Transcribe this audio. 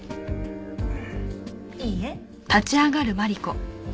いいえ。